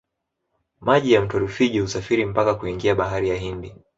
maji ya mto rufiji husafiri mpaka kuingia bahari ya hindi